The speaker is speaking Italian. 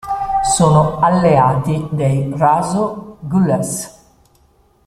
Sono alleati dei Raso-Gullace.